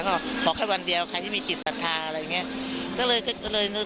ก็ขอแค่วันเดียวใครที่มีจิตศรัทธาอะไรอย่างนี้